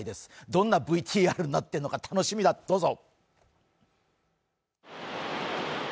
どんなＶＴＲになってるのか、楽しみだ、どうぞ。